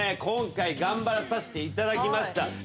今回頑張らさせていただきました。